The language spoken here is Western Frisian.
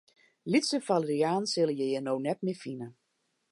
Lytse falerianen sille je hjir no net mear fine.